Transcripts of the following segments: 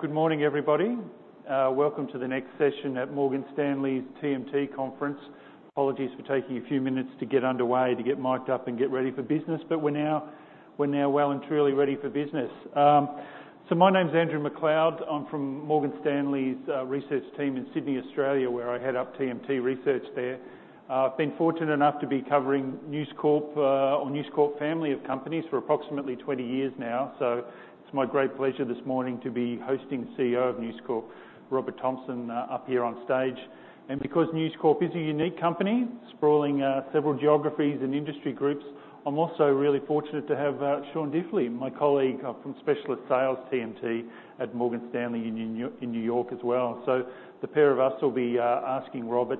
Good morning, everybody. Welcome to the next session at Morgan Stanley's TMT conference. Apologies for taking a few minutes to get underway, to get mic'd up, and get ready for business, but we're now, we're now well and truly ready for business. So my name's Andrew McLeod. I'm from Morgan Stanley's research team in Sydney, Australia, where I head up TMT research there. I've been fortunate enough to be covering News Corp, or News Corp family of companies for approximately 20 years now, so it's my great pleasure this morning to be hosting the CEO of News Corp, Robert Thomson, up here on stage. Because News Corp is a unique company, sprawling several geographies and industry groups, I'm also really fortunate to have Sean Daly, my colleague, from specialist sales TMT at Morgan Stanley in New York, in New York as well. The pair of us will be asking Robert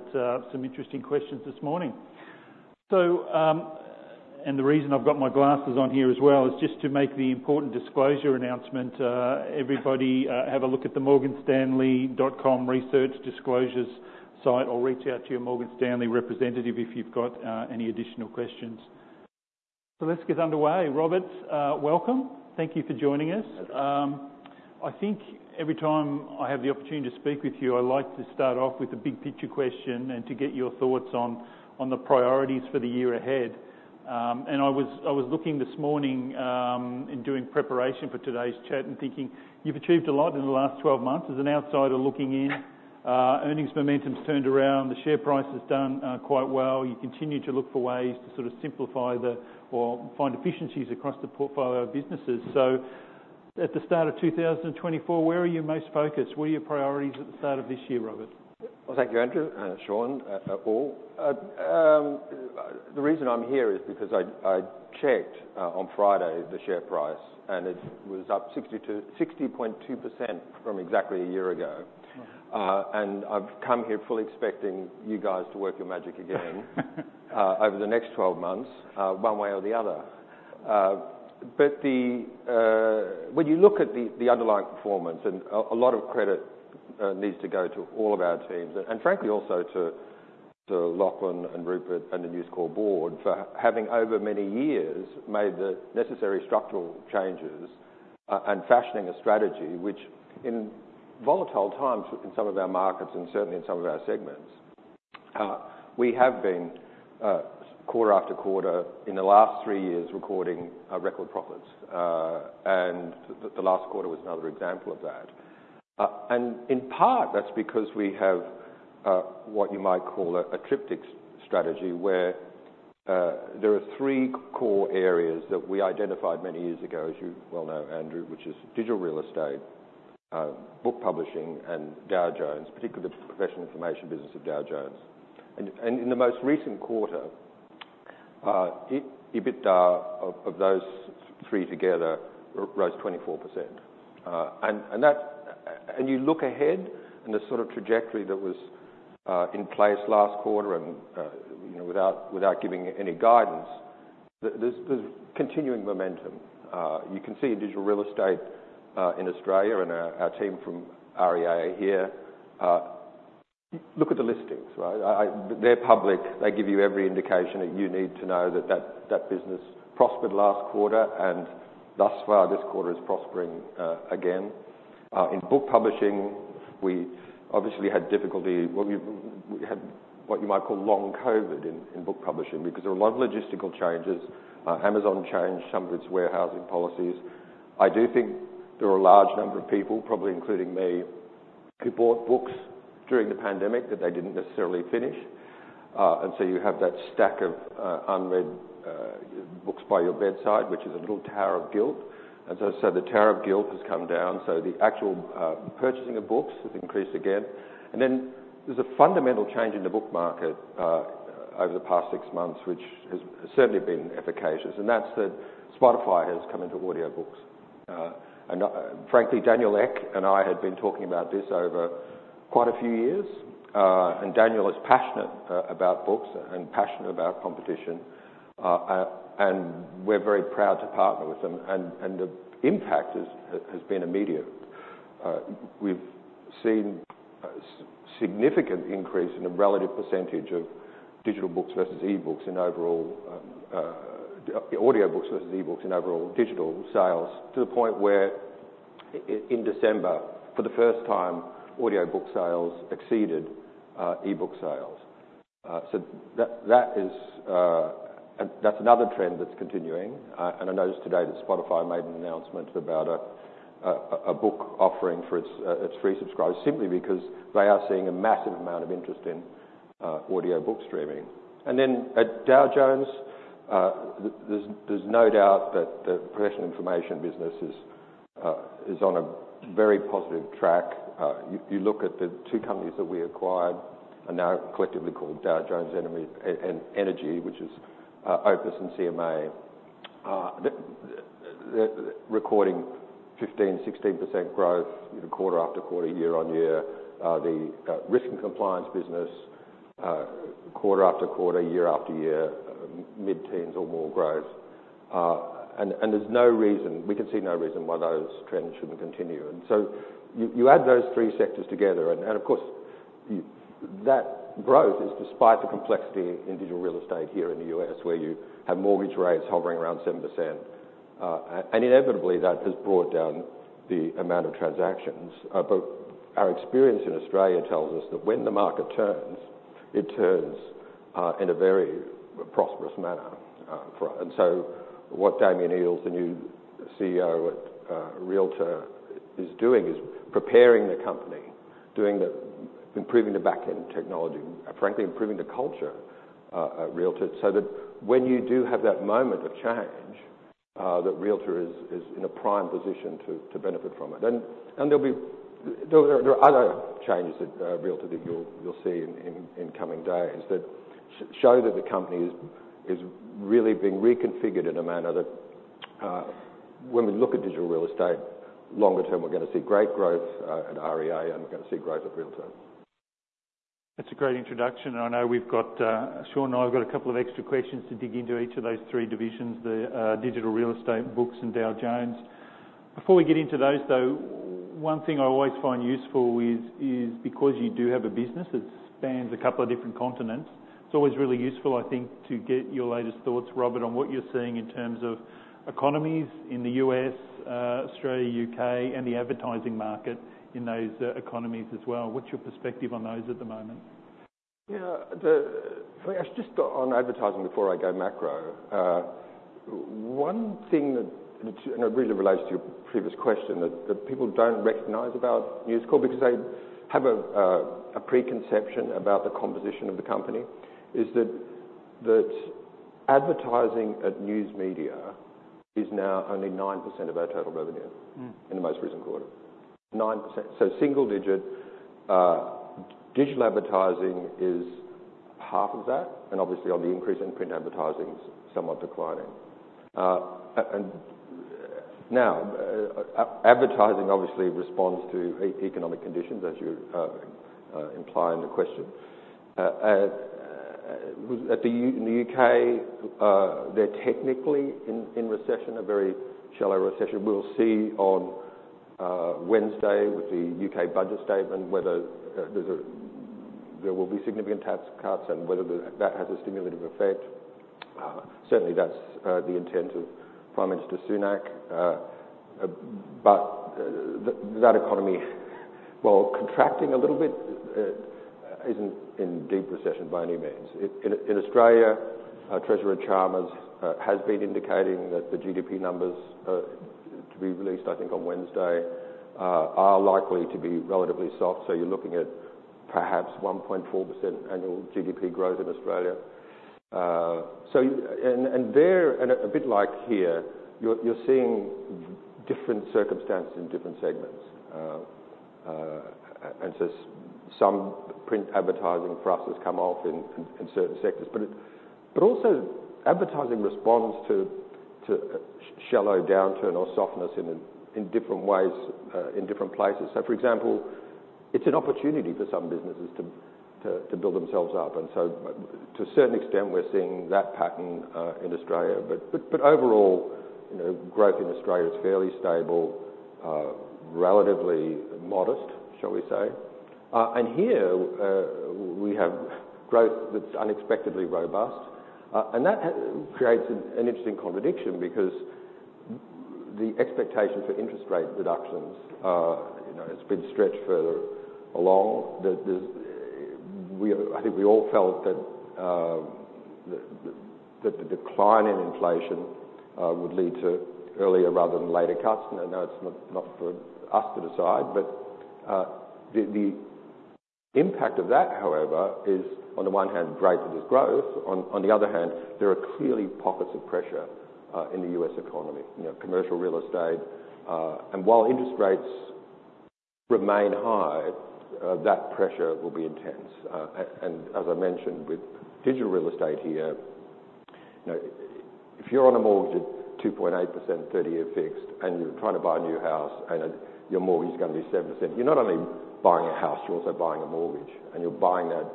some interesting questions this morning. So, and the reason I've got my glasses on here as well is just to make the important disclosure announcement. Everybody, have a look at the morganstanley.com research disclosures site or reach out to your Morgan Stanley representative if you've got any additional questions. So let's get underway. Robert, welcome. Thank you for joining us. I think every time I have the opportunity to speak with you, I like to start off with a big picture question and to get your thoughts on the priorities for the year ahead. And I was looking this morning, in doing preparation for today's chat and thinking, "You've achieved a lot in the last 12 months." As an outsider looking in, earnings momentum's turned around. The share price has done quite well. You continue to look for ways to sort of simplify or find efficiencies across the portfolio of businesses. At the start of 2024, where are you most focused? What are your priorities at the start of this year, Robert? Well, thank you, Andrew. Sean, all. The reason I'm here is because I checked on Friday the share price, and it was up 62 60.2% from exactly a year ago. I've come here fully expecting you guys to work your magic again over the next 12 months, one way or the other. When you look at the underlying performance, and a lot of credit needs to go to all of our teams and frankly also to Lachlan and Rupert and the News Corp board for having over many years made the necessary structural changes and fashioning a strategy which, in volatile times in some of our markets and certainly in some of our segments, we have been quarter after quarter in the last 3 years recording record profits. The last quarter was another example of that. In part, that's because we have what you might call a triptych strategy where there are three core areas that we identified many years ago, as you well know, Andrew, which is digital real estate, book publishing, and Dow Jones, particularly the professional information business of Dow Jones. In the most recent quarter, EBITDA of those three together rose 24%. That's... you look ahead and the sort of trajectory that was in place last quarter and, you know, without giving any guidance, there's continuing momentum. You can see in digital real estate, in Australia and our team from REA here, look at the listings, right? They're public. They give you every indication that you need to know that that business prospered last quarter, and thus far, this quarter is prospering again. In book publishing, we obviously had difficulty. Well, we had what you might call long COVID in book publishing because there were a lot of logistical changes. Amazon changed some of its warehousing policies. I do think there were a large number of people, probably including me, who bought books during the pandemic that they didn't necessarily finish. You have that stack of unread books by your bedside, which is a little tower of guilt. So the tower of guilt has come down. So the actual purchasing of books has increased again. And then there's a fundamental change in the book market, over the past six months, which has certainly been efficacious. And that's that Spotify has come into audiobooks. Frankly, Daniel Ek and I had been talking about this over quite a few years. Daniel is passionate about books and passionate about competition. We're very proud to partner with him. The impact has been immediate. We've seen significant increase in a relative percentage of digital books versus e-books in overall, audiobooks versus e-books in overall digital sales to the point where in December, for the first time, audiobook sales exceeded e-book sales. That's another trend that's continuing. I noticed today that Spotify made an announcement about a book offering for its free subscribers simply because they are seeing a massive amount of interest in audiobook streaming. Then at Dow Jones, there's no doubt that the professional information business is on a very positive track. You look at the two companies that we acquired are now collectively called Dow Jones Energy, which is OPIS and CMA. The recording 15%-16% growth, you know, quarter after quarter, year-on-year. The Risk and Compliance business, quarter after quarter, year after year, mid-teens or more growth. And there's no reason we can see why those trends shouldn't continue. You add those three sectors together, and of course, you that growth is despite the complexity in digital real estate here in the U.S. where you have mortgage rates hovering around 7%. And inevitably, that has brought down the amount of transactions. But our experience in Australia tells us that when the market turns, it turns in a very prosperous manner for us. What Damian Eales, the new CEO at Realtor, is doing is preparing the company, doing the improving the backend technology, frankly, improving the culture, at Realtor so that when you do have that moment of change, that Realtor is in a prime position to benefit from it. And there'll be, there are other changes at Realtor that you'll see in coming days that show that the company is really being reconfigured in a manner that, when we look at digital real estate longer term, we're going to see great growth at REA, and we're going to see growth at Realtor. That's a great introduction. I know we've got Sean and I have got a couple of extra questions to dig into each of those three divisions, the digital real estate, books, and Dow Jones. Before we get into those, though, one thing I always find useful is because you do have a business that spans a couple of different continents, it's always really useful, I think, to get your latest thoughts, Robert, on what you're seeing in terms of economies in the U.S., Australia, U.K., and the advertising market in those economies as well. What's your perspective on those at the moment? Yeah. I just got on advertising before I go macro. One thing that and it really relates to your previous question, that people don't recognize about News Corp because they have a preconception about the composition of the company is that advertising at news media is now only 9% of our total revenue in the most recent quarter. 9%. So single-digit, digital advertising is half of that, and obviously on the increase, print advertising's somewhat declining. Now, advertising obviously responds to economic conditions, as you imply in the question. What about the U.K., they're technically in recession, a very shallow recession. We'll see on Wednesday with the U.K. budget statement whether there will be significant tax cuts and whether that has a stimulative effect. Certainly, that's the intent of Prime Minister Sunak. That economy, well, contracting a little bit, isn't in deep recession by any means. In Australia, Treasurer Chalmers has been indicating that the GDP numbers, to be released, I think, on Wednesday, are likely to be relatively soft. So you're looking at perhaps 1.4% annual GDP growth in Australia. So you and there a bit like here, you're seeing different circumstances in different segments. And so some print advertising for us has come off in certain sectors. Also, advertising responds to shallow downturn or softness in different ways, in different places. So for example, it's an opportunity for some businesses to build themselves up. And so to a certain extent, we're seeing that pattern in Australia. But overall, you know, growth in Australia is fairly stable, relatively modest, shall we say. Here, we have growth that's unexpectedly robust. And that has created an interesting contradiction because the expectation for interest rate reductions, you know, has been stretched further along. We are, I think we all felt that the decline in inflation would lead to earlier rather than later cuts. And I know it's not for us to decide, but the impact of that, however, is, on the one hand, great that there's growth. On the other hand, there are clearly pockets of pressure in the U.S. economy, you know, commercial real estate. And while interest rates remain high, that pressure will be intense. As I mentioned, with digital real estate here, you know, if you're on a mortgage at 2.8%, 30-year fixed, and you're trying to buy a new house, and your mortgage's going to be 7%, you're not only buying a house. You're also buying a mortgage. And you're buying that,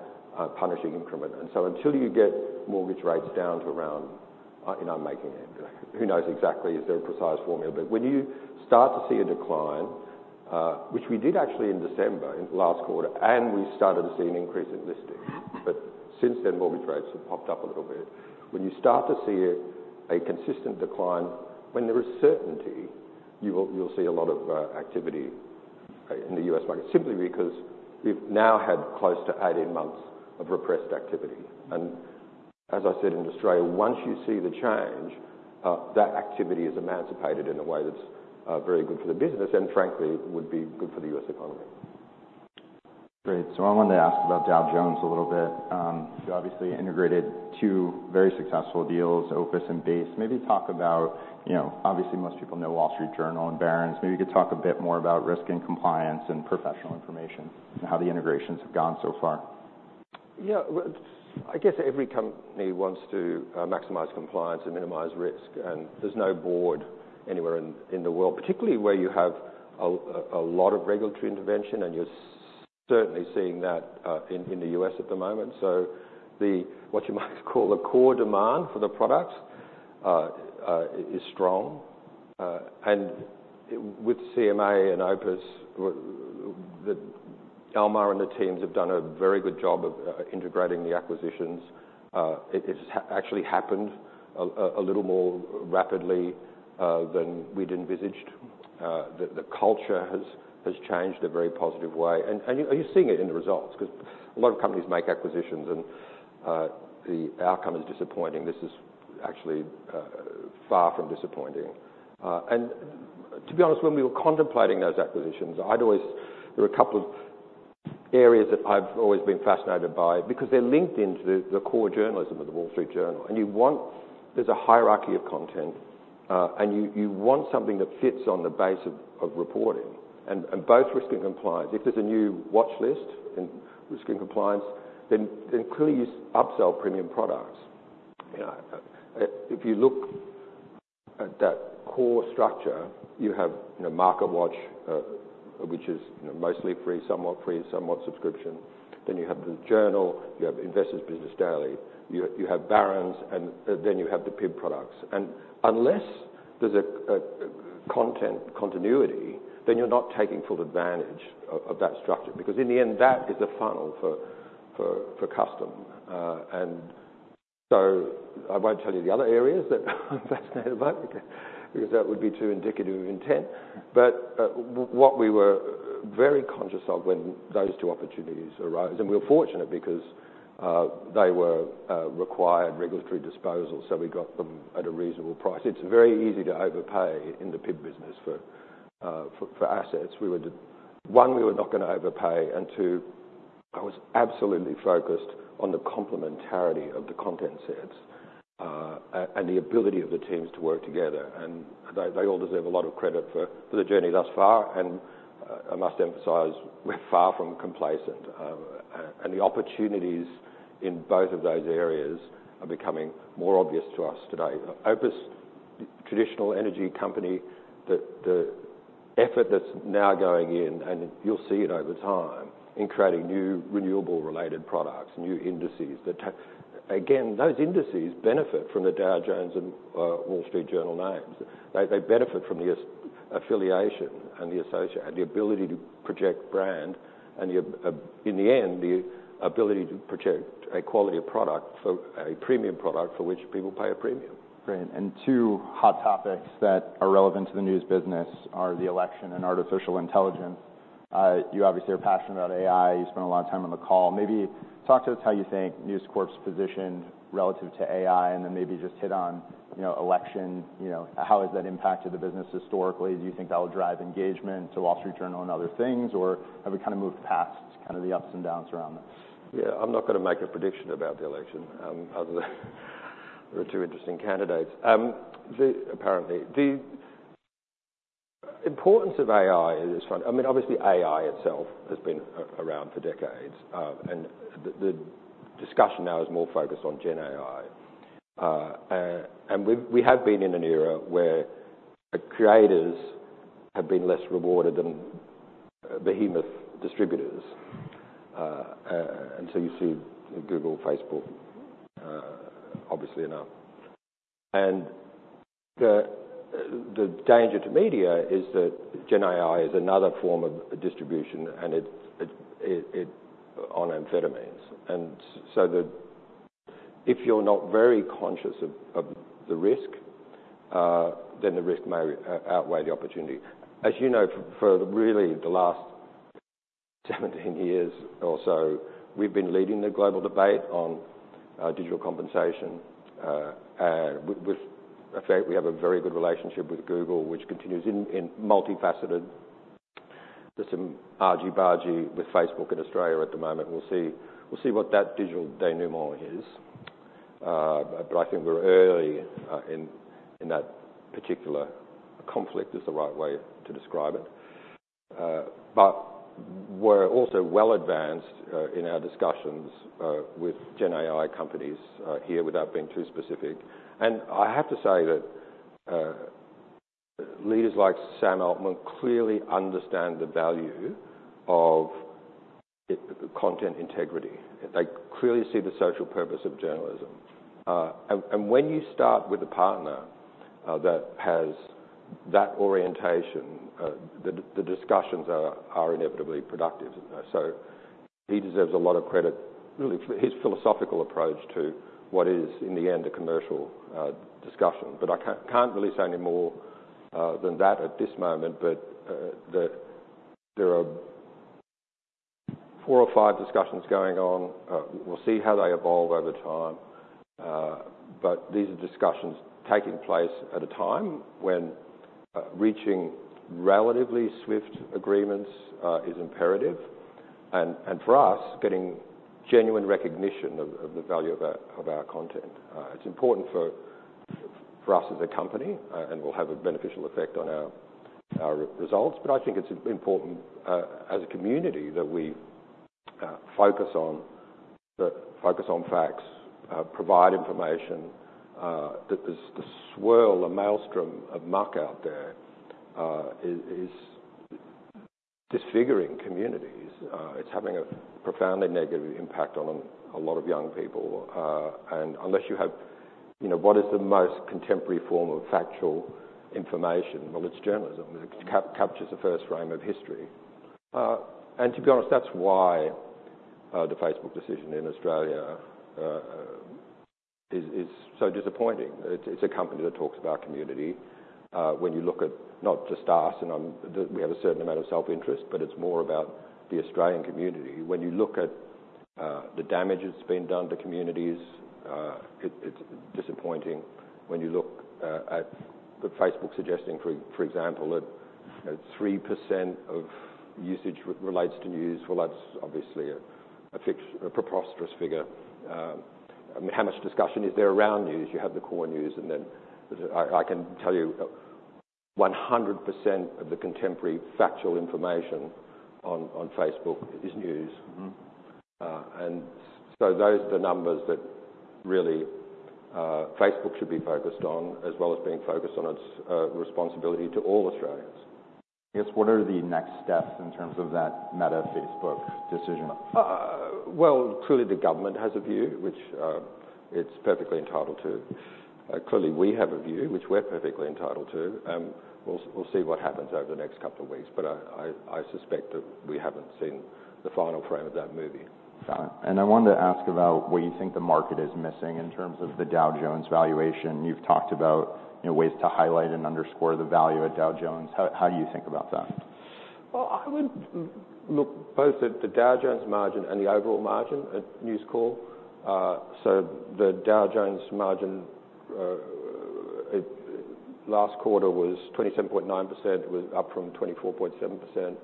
punishing increment. And so until you get mortgage rates down to around you know, I'm making a who knows exactly. Is there a precise formula? But when you start to see a decline, which we did actually in December in last quarter, and we started to see an increase in listings. But since then, mortgage rates have popped up a little bit. When you start to see a consistent decline, when there is certainty, you'll see a lot of activity in the US market simply because we've now had close to 18 months of repressed activity. As I said in Australia, once you see the change, that activity is emancipated in a way that's very good for the business and, frankly, would be good for the U.S. economy. Great. So I wanted to ask about Dow Jones a little bit. You obviously integrated two very successful deals, OPIS and Base. Maybe talk about you know, obviously, most people know Wall Street Journal and Barron's. Maybe you could talk a bit more about risk and compliance and professional information and how the integrations have gone so far. Yeah. Well, it's, I guess every company wants to maximize compliance and minimize risk. And there's no board anywhere in the world, particularly where you have a lot of regulatory intervention. And you're certainly seeing that in the U.S. at the moment. So what you might call the core demand for the products is strong. And with CMA and OPIS, the Almar and the teams have done a very good job of integrating the acquisitions. It's actually happened a little more rapidly than we'd envisaged. The culture has changed in a very positive way. And you are seeing it in the results because a lot of companies make acquisitions, and the outcome is disappointing. This is actually far from disappointing. To be honest, when we were contemplating those acquisitions, I'd always there were a couple of areas that I've always been fascinated by because they're linked into the, the core journalism of The Wall Street Journal. And you want there's a hierarchy of content, and you, you want something that fits on the base of, of reporting and, and both Risk and Compliance. If there's a new watch list in Risk and Compliance, then, then clearly, you upsell premium products. You know, if you look at that core structure, you have, you know, MarketWatch, which is, you know, mostly free, somewhat free, somewhat subscription. Then you have the Journal. You have Investor's Business Daily. You, you have Barron's. And then you have the PIB products. Unless there's a content continuity, then you're not taking full advantage of that structure because in the end, that is a funnel for custom. So I won't tell you the other areas that I'm fascinated about because that would be too indicative of intent. But what we were very conscious of when those two opportunities arose and we were fortunate because they were required regulatory disposal. So we got them at a reasonable price. It's very easy to overpay in the PIB business for assets. We were, one, we were not going to overpay. And two, I was absolutely focused on the complementarity of the content sets, and the ability of the teams to work together. And they all deserve a lot of credit for the journey thus far. I must emphasize, we're far from complacent. The opportunities in both of those areas are becoming more obvious to us today. OPIS, traditional energy company, the effort that's now going in and you'll see it over time in creating new renewable-related products, new indices that again, those indices benefit from the Dow Jones and Wall Street Journal names. They benefit from the association and the affiliation and the ability to project brand and, in the end, the ability to project a quality of product for a premium product for which people pay a premium. Great. And two hot topics that are relevant to the news business are the election and artificial intelligence. You obviously are passionate about AI. You spent a lot of time on the call. Maybe talk to us how you think News Corp's positioned relative to AI and then maybe just hit on, you know, election. You know, how has that impacted the business historically? Do you think that will drive engagement to Wall Street Journal and other things? Or have we kind of moved past kind of the ups and downs around this? Yeah. I'm not going to make a prediction about the election, other than there are two interesting candidates. Apparently, the importance of AI is fun. I mean, obviously, AI itself has been around for decades. And the discussion now is more focused on Gen AI. And we've been in an era where creators have been less rewarded than behemoth distributors. And so you see Google, Facebook, obviously enough. And the danger to media is that Gen AI is another form of distribution, and it on amphetamines. And so if you're not very conscious of the risk, then the risk may outweigh the opportunity. As you know, for really the last 17 years or so, we've been leading the global debate on digital compensation. In fact, we have a very good relationship with Google, which continues in multifaceted. There's some argy-bargy with Facebook in Australia at the moment. We'll see what that digital denouement is. But I think we're early in that particular conflict is the right way to describe it. But we're also well advanced in our discussions with Gen AI companies, without being too specific. I have to say that leaders like Sam Altman clearly understand the value of content integrity. They clearly see the social purpose of journalism. And when you start with a partner that has that orientation, the discussions are inevitably productive. So he deserves a lot of credit, really, for his philosophical approach to what is, in the end, a commercial discussion. But I can't really say any more than that at this moment. There are four or five discussions going on. We'll see how they evolve over time. But these are discussions taking place at a time when reaching relatively swift agreements is imperative. And for us, getting genuine recognition of the value of our content, it's important for us as a company, and will have a beneficial effect on our results. But I think it's important, as a community, that we focus on facts, provide information. There's the swirl, the maelstrom of muck out there that is disfiguring communities. It's having a profoundly negative impact on a lot of young people. And unless you have, you know, what is the most contemporary form of factual information? Well, it's journalism. It captures the first frame of history. To be honest, that's why the Facebook decision in Australia is so disappointing. It's a company that talks about community. When you look at not just us, and I'm, we have a certain amount of self-interest, but it's more about the Australian community. When you look at the damage that's been done to communities, it's disappointing. When you look at the Facebook suggesting, for example, that, you know, 3% of usage relates to news, well, that's obviously a preposterous figure. I mean, how much discussion is there around news? You have the core news. And then I can tell you, 100% of the contemporary factual information on Facebook is news. Mm-hmm. Those are the numbers that really Facebook should be focused on, as well as being focused on its responsibility to all Australians. I guess what are the next steps in terms of that Meta-Facebook decision? Well, clearly, the government has a view, which it's perfectly entitled to. Clearly, we have a view, which we're perfectly entitled to. We'll see what happens over the next couple of weeks. But I suspect that we haven't seen the final frame of that movie. Got it. And I wanted to ask about where you think the market is missing in terms of the Dow Jones valuation. You've talked about, you know, ways to highlight and underscore the value at Dow Jones. How, how do you think about that? Well, I would look both at the Dow Jones margin and the overall margin at News Corp. So the Dow Jones margin, it last quarter was 27.9%. It was up from 24.7%.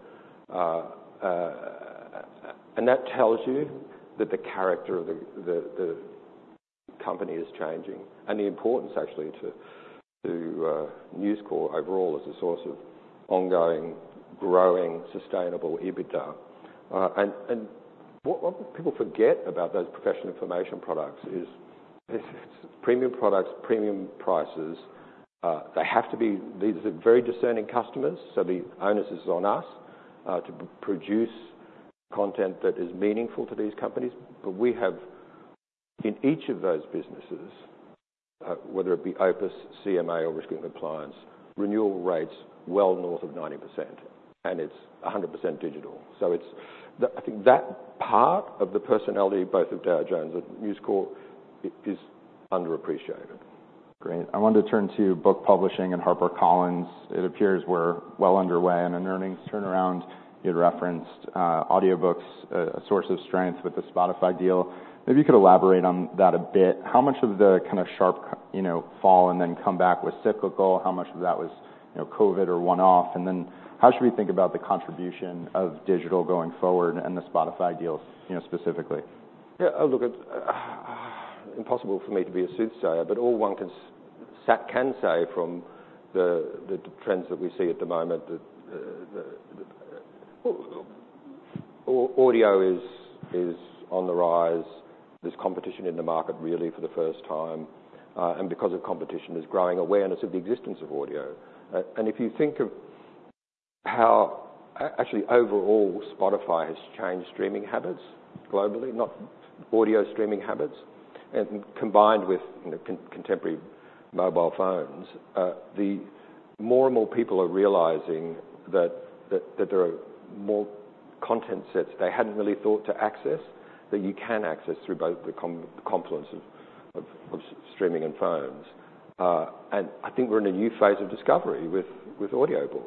And that tells you that the character of the company is changing and the importance, actually, to News Corp overall as a source of ongoing, growing, sustainable EBITDA. And what people forget about those professional information products is it's premium products, premium prices. They have to be; these are very discerning customers. So the onus is on us to produce content that is meaningful to these companies. But we have, in each of those businesses, whether it be OPIS, CMA, or Risk and Compliance, renewal rates well north of 90%. And it's 100% digital. So it's, I think, that part of the personality both of Dow Jones and News Corp is underappreciated. Great. I wanted to turn to book publishing and HarperCollins. It appears we're well underway in an earnings turnaround. You'd referenced audiobooks, a source of strength with the Spotify deal. Maybe you could elaborate on that a bit. How much of the kind of sharp, you know, fall and then come back was cyclical? How much of that was, you know, COVID or one-off? And then how should we think about the contribution of digital going forward and the Spotify deals, you know, specifically? Yeah. I look at impossible for me to be a soothsayer, but all one can say from the trends that we see at the moment that the well, audio is on the rise. There's competition in the market, really, for the first time. And because of competition, there's growing awareness of the existence of audio. And if you think of how actually, overall, Spotify has changed streaming habits globally, not audio streaming habits, and combined with, you know, contemporary mobile phones, the more and more people are realizing that there are more content sets they hadn't really thought to access that you can access through both the confluence of streaming and phones. And I think we're in a new phase of discovery with audiobooks.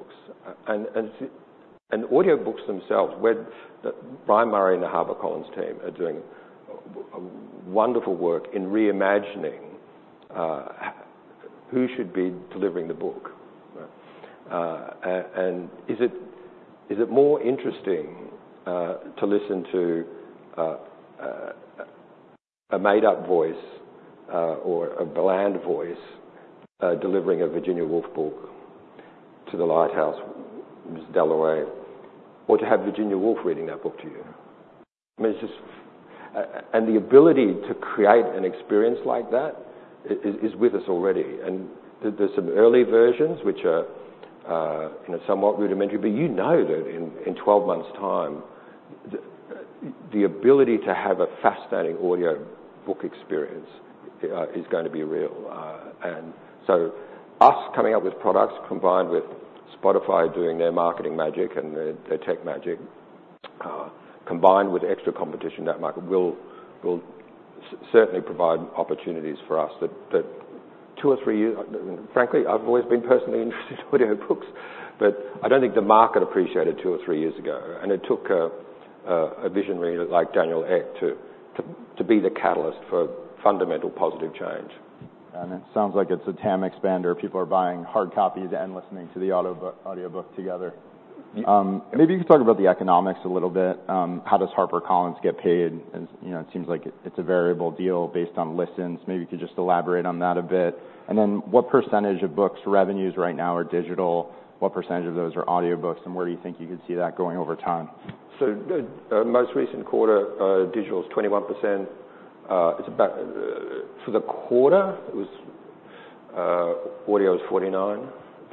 And it's audiobooks themselves, where the Brian Murray and the HarperCollins team are doing wonderful work in reimagining who should be delivering the book, right? And is it more interesting to listen to a made-up voice or a bland voice delivering a Virginia Woolf book To the Lighthouse, Mrs. Dalloway, or to have Virginia Woolf reading that book to you? I mean, it's just and the ability to create an experience like that is with us already. And there's some early versions, which are, you know, somewhat rudimentary. But you know that in 12 months' time, the ability to have a fascinating audiobook experience is going to be real. So us coming up with products combined with Spotify doing their marketing magic and their tech magic, combined with extra competition in that market will certainly provide opportunities for us that two or three years. I mean, frankly, I've always been personally interested in audiobooks. But I don't think the market appreciated two or three years ago. And it took a visionary like Daniel Ek to be the catalyst for fundamental positive change. Got it. And it sounds like it's a TAM expander. People are buying hard copies and listening to the audiobook together. Maybe you could talk about the economics a little bit. How does HarperCollins get paid? And, you know, it seems like it's a variable deal based on listens. Maybe you could just elaborate on that a bit. And then what percentage of books' revenues right now are digital? What percentage of those are audiobooks? And where do you think you could see that going over time? Most recent quarter, digital's 21%. It's about, for the quarter, it was audio was 49%,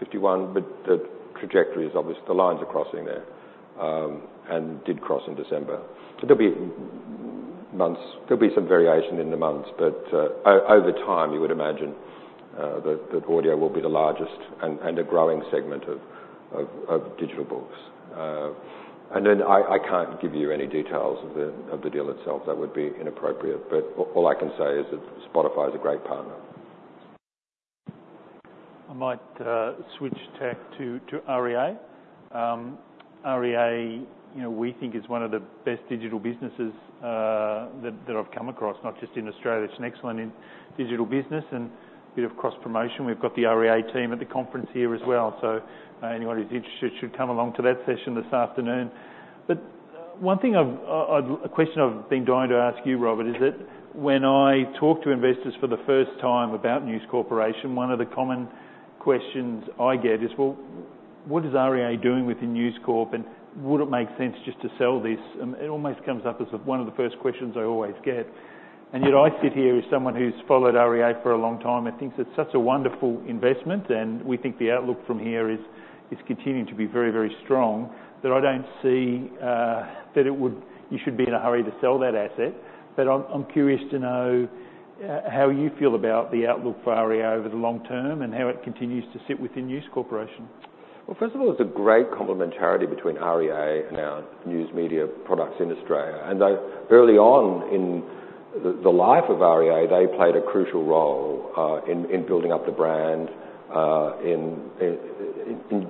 51%. But the trajectory is obvious. The line's crossing there, and did cross in December. But there'll be months there'll be some variation in the months. But over time, you would imagine that audio will be the largest and a growing segment of digital books. And then I can't give you any details of the deal itself. That would be inappropriate. But all I can say is that Spotify's a great partner. I might switch tech to REA. REA, you know, we think is one of the best digital businesses that I've come across, not just in Australia. It's an excellent digital business and a bit of cross-promotion. We've got the REA team at the conference here as well. So, anyone who's interested should come along to that session this afternoon. But one thing I've a question I've been dying to ask you, Robert, is that when I talk to investors for the first time about News Corp, one of the common questions I get is, "Well, what is REA doing within News Corp? And would it make sense just to sell this?" And it almost comes up as one of the first questions I always get. Yet I sit here as someone who's followed REA for a long time and thinks it's such a wonderful investment, and we think the outlook from here is continuing to be very, very strong, that I don't see, that it would you should be in a hurry to sell that asset. But I'm curious to know how you feel about the outlook for REA over the long term and how it continues to sit within News Corp. Well, first of all, there's a great complementarity between REA and our news media products in Australia. And they early on in the life of REA, they played a crucial role in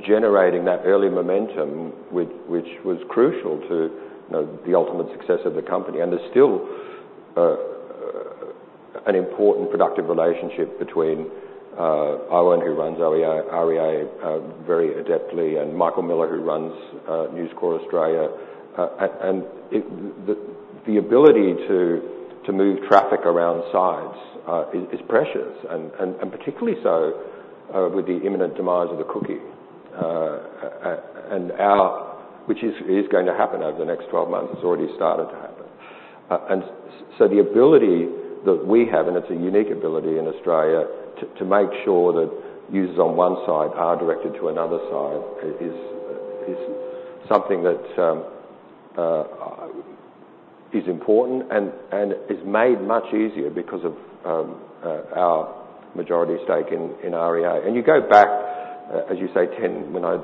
generating that early momentum which was crucial to, you know, the ultimate success of the company. And there's still an important productive relationship between Owen, who runs REA very adeptly, and Michael Miller, who runs News Corp Australia. And the ability to move traffic around sites is precious, and particularly so, with the imminent demise of the cookie, which is going to happen over the next 12 months. It's already started to happen. The ability that we have—and it's a unique ability in Australia—to make sure that users on one side are directed to another side is something that's important and is made much easier because of our majority stake in REA. And you go back, as you say, 10 when I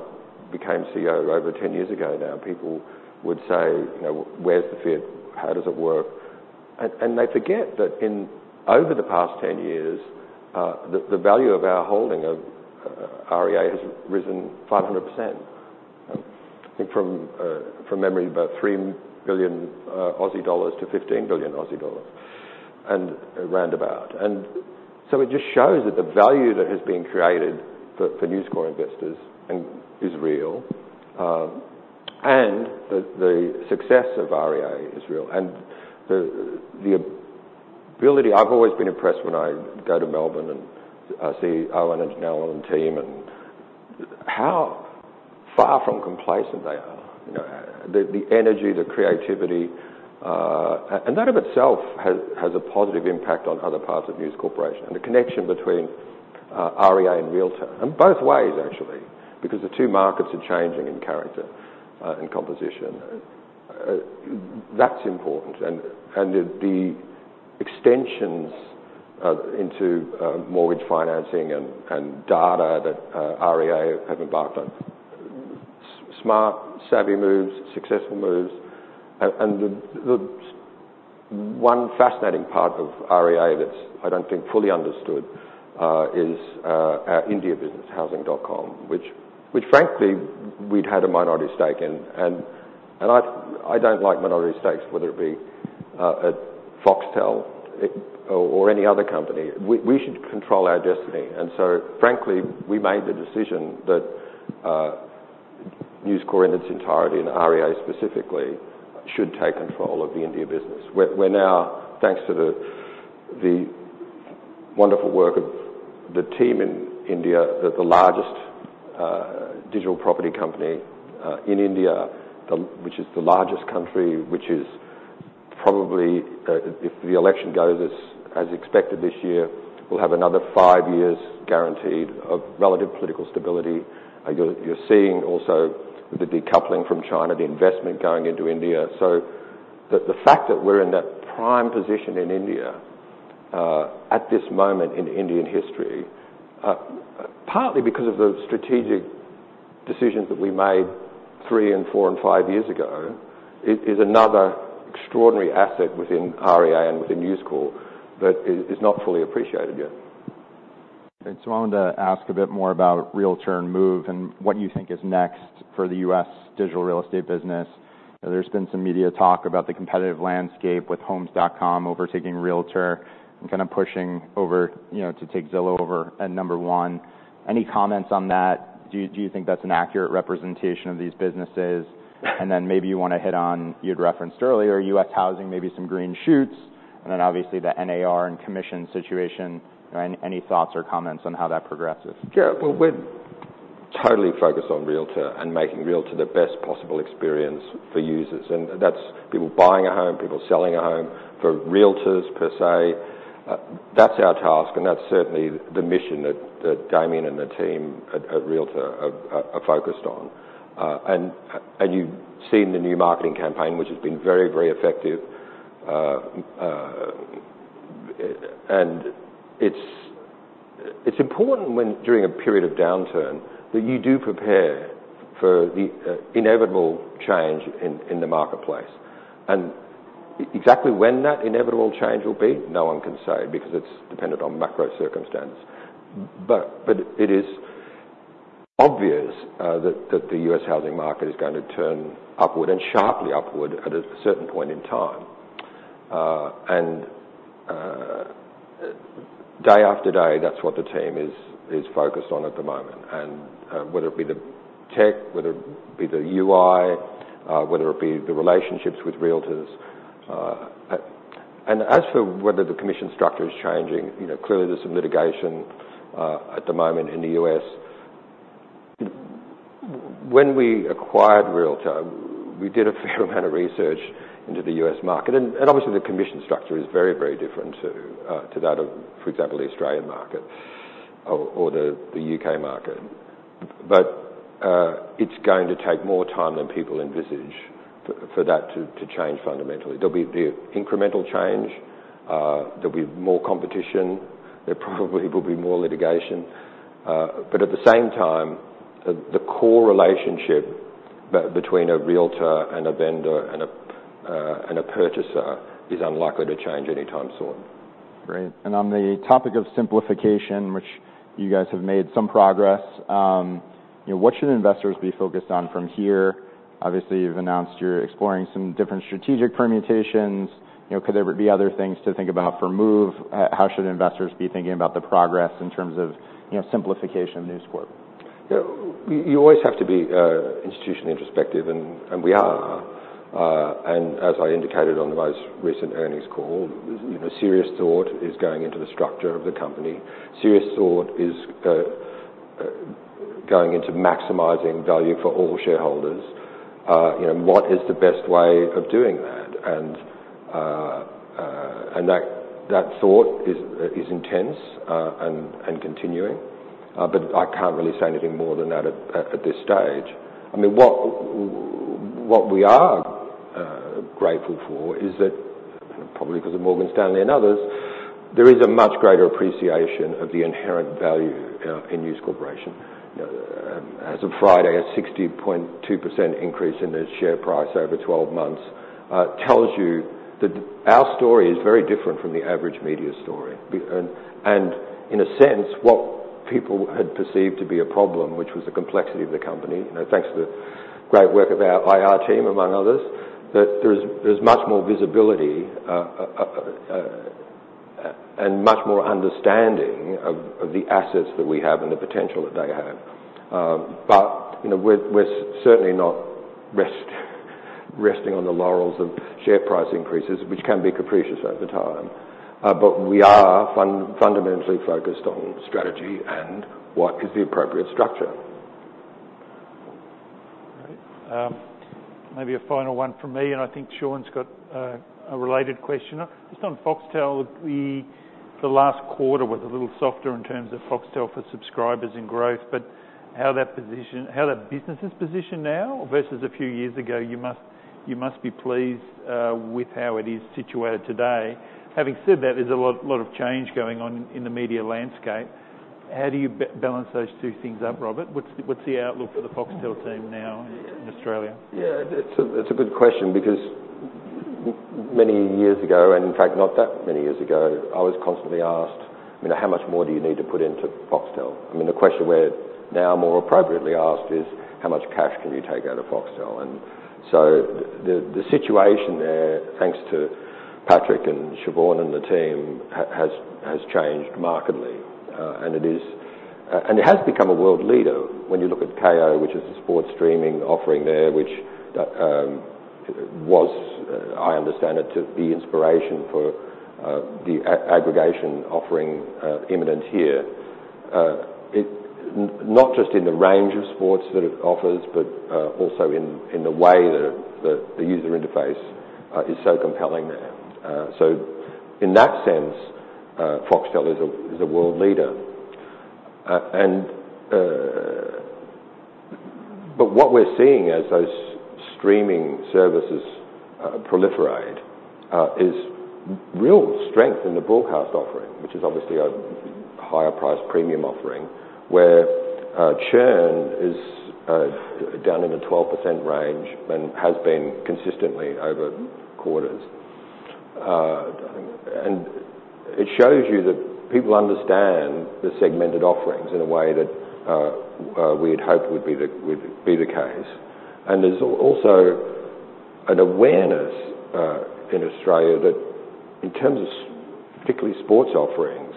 became CEO over 10 years ago now, people would say, you know, "Where's the fit? How does it work?" And they forget that in over the past 10 years, the value of our holding of REA has risen 500%, I think, from memory, about 3 billion Aussie dollars to 15 billion Aussie dollars and roundabout. And so it just shows that the value that has been created for News Corp investors and is real, and the success of REA is real. The ability I've always been impressed when I go to Melbourne and see Owen and Nell and the team and how far from complacent they are, you know, and the energy, the creativity, and that of itself has a positive impact on other parts of News Corp and the connection between REA and Realtor.com both ways, actually, because the two markets are changing in character and composition. That's important. And the extensions into mortgage financing and data that REA have embarked on—smart, savvy moves, successful moves. And the one fascinating part of REA that's I don't think fully understood is our India business, Housing.com, which frankly we'd had a minority stake in. And I don't like minority stakes, whether it be at Foxtel or any other company. We should control our destiny. Frankly, we made the decision that News Corp in its entirety and REA specifically should take control of the India business. We're now, thanks to the wonderful work of the team in India, the largest digital property company in India, which is the largest country, which is probably, if the election goes as expected this year, we'll have another five years guaranteed of relative political stability. You're seeing also the decoupling from China, the investment going into India. So the fact that we're in that prime position in India, at this moment in Indian history, partly because of the strategic decisions that we made three and four and five years ago, is another extraordinary asset within REA and within News Corp that is not fully appreciated yet. Great. So I wanted to ask a bit more about Realtor.com Move and what you think is next for the U.S. digital real estate business. You know, there's been some media talk about the competitive landscape with Homes.com overtaking Realtor.com and kind of pushing over, you know, to take Zillow over at number one. Any comments on that? Do you think that's an accurate representation of these businesses? And then maybe you want to hit on you'd referenced earlier, U.S. housing, maybe some green shoots, and then obviously the NAR and commission situation. You know, any thoughts or comments on how that progresses? Yeah. Well, we're totally focused on Realtor.com and making Realtor.com the best possible experience for users. And that's people buying a home, people selling a home for realtors, per se. That's our task. And that's certainly the mission that Damian and the team at Realtor.com are focused on. And you've seen the new marketing campaign, which has been very, very effective. It's important when during a period of downturn that you do prepare for the inevitable change in the marketplace. And exactly when that inevitable change will be, no one can say because it's dependent on macro circumstances. But it is obvious that the U.S. housing market is going to turn upward and sharply upward at a certain point in time. Day after day, that's what the team is focused on at the moment. Whether it be the tech, whether it be the UI, whether it be the relationships with realtors, and as for whether the commission structure is changing, you know, clearly, there's some litigation at the moment in the U.S. When we acquired Realtor, we did a fair amount of research into the U.S. market. And obviously, the commission structure is very, very different to that of, for example, the Australian market or the U.K. market. It's going to take more time than people envisage for that to change fundamentally. There'll be the incremental change. There'll be more competition. There probably will be more litigation. But at the same time, the core relationship between a Realtor and a vendor and a purchaser is unlikely to change anytime soon. Great. And on the topic of simplification, which you guys have made some progress, you know, what should investors be focused on from here? Obviously, you've announced you're exploring some different strategic permutations. You know, could there be other things to think about for Move? How should investors be thinking about the progress in terms of, you know, simplification of News Corp? Yeah. We always have to be institutionally introspective. And we are. As I indicated on the most recent earnings call, you know, serious thought is going into the structure of the company. Serious thought is going into maximizing value for all shareholders. You know, what is the best way of doing that? And that thought is intense, and continuing. I can't really say anything more than that at this stage. I mean, what we are grateful for is that probably because of Morgan Stanley and others, there is a much greater appreciation of the inherent value in News Corp. You know, as of Friday, a 60.2% increase in the share price over 12 months tells you that our story is very different from the average media story. In a sense, what people had perceived to be a problem, which was the complexity of the company, you know, thanks to the great work of our IR team, among others, that there's much more visibility and much more understanding of the assets that we have and the potential that they have. But you know, we're certainly not resting on the laurels of share price increases, which can be capricious over time. But we are fundamentally focused on strategy and what is the appropriate structure. Great. Maybe a final one from me. And I think Sean's got a related question. It's on Foxtel. The last quarter was a little softer in terms of Foxtel for subscribers and growth, but how that business is positioned now versus a few years ago, you must be pleased with how it is situated today. Having said that, there's a lot of change going on in the media landscape. How do you balance those two things up, Robert? What's the outlook for the Foxtel team now in Australia? Yeah. That's a good question because many years ago and in fact, not that many years ago, I was constantly asked, you know, "How much more do you need to put into Foxtel?" I mean, the question now more appropriately asked is, "How much cash can you take out of Foxtel?" So the situation there, thanks to Patrick and Siobhan and the team, has changed markedly. It has become a world leader. When you look at Kayo, which is the sports streaming offering there, which was, I understand, the inspiration for the aggregation offering imminent here, it not just in the range of sports that it offers, but also in the way that the user interface is so compelling there. So in that sense, Foxtel is a world leader. What we're seeing as those streaming services proliferate is real strength in the broadcast offering, which is obviously a higher-priced premium offering where churn is down in the 12% range and has been consistently over quarters. I think, and it shows you that people understand the segmented offerings in a way that we had hoped would be the case. There's also an awareness in Australia that in terms of particularly sports offerings,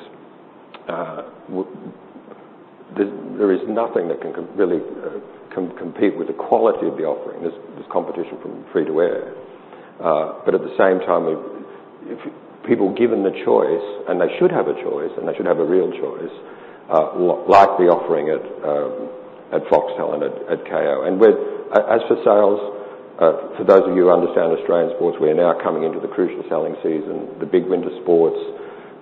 there's nothing that can really compete with the quality of the offering. There's competition from free-to-air, but at the same time, we've if people given the choice and they should have a choice, and they should have a real choice, like the offering at Foxtel and at Kayo. We're as for sales, for those of you who understand Australian sports, we are now coming into the crucial selling season. The big winter sports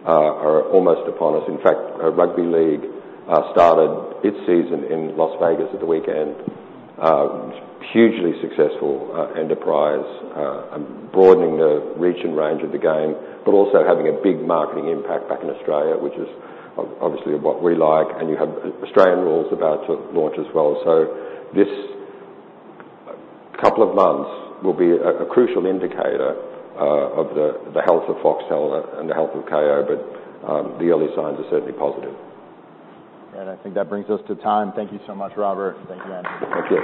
are almost upon us. In fact, Rugby League started its season in Las Vegas at the weekend. Hugely successful enterprise, broadening the reach and range of the game but also having a big marketing impact back in Australia, which is obviously what we like. And you have Australian rules about to launch as well. So this couple of months will be a crucial indicator of the health of Foxtel and the health of Kayo. The early signs are certainly positive. Great. I think that brings us to time. Thank you so much, Robert. Thank you, Andrew. Thank you.